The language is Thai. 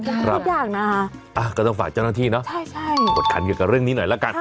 พวกมันไม่อยากนะฮะอ่ะก็ต้องฝากเจ้านักที่เนอะใช่ใช่บทคันเกี่ยวกับเรื่องนี้หน่อยละกัน